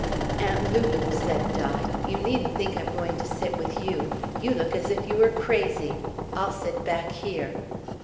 "Aunt Lulu," said Di, "you needn't think I'm going to sit with you. You look as if you were crazy. I'll sit back here."